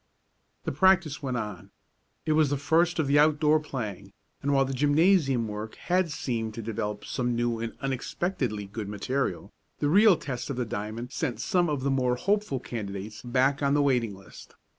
The practice went on. It was the first of the outdoor playing, and while the gymnasium work had seemed to develop some new and unexpectedly good material, the real test of the diamond sent some of the more hopeful candidates back on the waiting list.